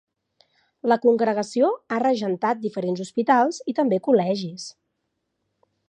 La Congregació ha regentat diferents hospitals i també col·legis.